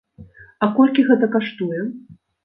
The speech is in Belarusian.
А колькі гэта каштуе?